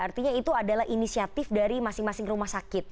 artinya itu adalah inisiatif dari masing masing rumah sakit